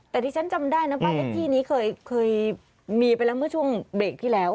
แต่ที่ฉันจำได้นะบ้านเลขที่นี้เคยมีไปแล้วเมื่อช่วงเบรกที่แล้ว